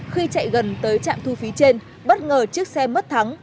khi chạy gần tới trạm thu phí trên bất ngờ chiếc xe mất thắng